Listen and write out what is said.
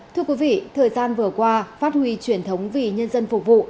thưa quý vị thời gian vừa qua phát huy truyền thống vì nhân dân phục vụ